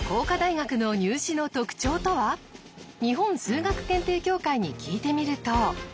日本数学検定協会に聞いてみると。